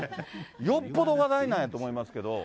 よっぽど話題なんやと思いますけど。